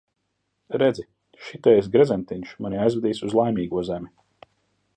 Redzi, šitais gredzentiņš mani aizvedīs uz Laimīgo zemi.